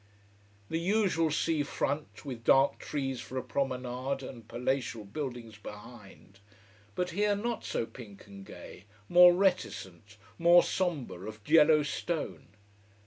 The usual sea front with dark trees for a promenade and palatial buildings behind, but here not so pink and gay, more reticent, more sombre of yellow stone.